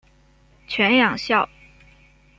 犬养孝。